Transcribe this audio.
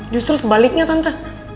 justru sebaliknya tante